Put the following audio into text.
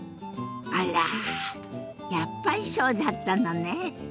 あらやっぱりそうだったのね。